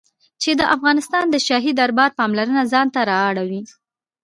چې د افغانستان د شاهي دربار پاملرنه ځان ته را واړوي.